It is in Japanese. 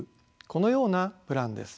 このようなプランです。